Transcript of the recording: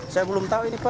saya belum tahu ini pak